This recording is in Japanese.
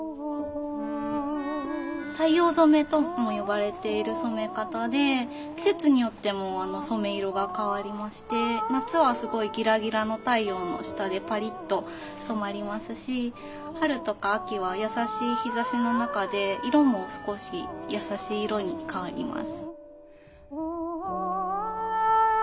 太陽染めとも呼ばれている染め方で季節によっても染め色が変わりまして夏はすごいギラギラの太陽の下でパリッと染まりますし春とか秋は優しい日ざしの中で色も少し優しい色に変わります。